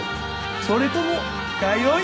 それとも通い？